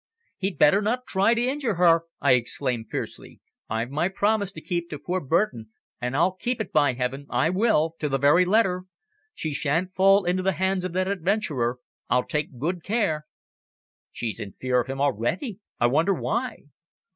"He'd better not try to injure her," I exclaimed fiercely. "I've my promise to keep to poor Burton, and I'll keep it by Heaven, I will! to the very letter. She sha'n't fall into the hands of that adventurer, I'll take good care." "She's in fear of him already. I wonder why?"